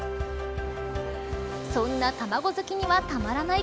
そんな卵好きにはたまらない